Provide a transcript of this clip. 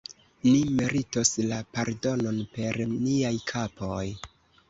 Ni meritos la pardonon per niaj kapoj!